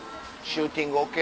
シューティングＯＫ？